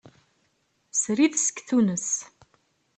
Srid seg Tunes.